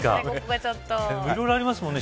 いろいろありますもんね